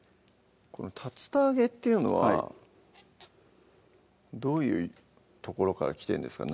この竜田揚げっていうのはどういうところからきてるんですか？